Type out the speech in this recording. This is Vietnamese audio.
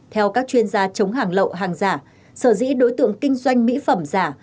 theo các chuyên gia chống hàng lậu hàng giả